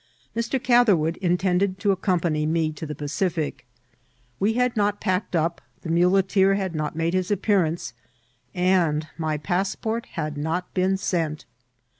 Mr. Catherwood intended to accompany me to the Pacific. We had not packed up, the muleteer had not made his afq^earance, and my passport had not been sent.